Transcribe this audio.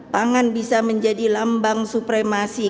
pangan bisa menjadi lambang supremasi